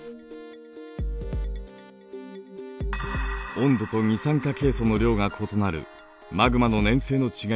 温度と二酸化ケイ素の量が異なるマグマの粘性の違いを見てみましょう。